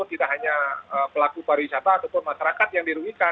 tidak hanya pelaku pariwisata ataupun masyarakat yang dirugikan